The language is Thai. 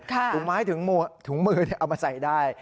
ถุงไม้ถุงมือเอามาใส่ได้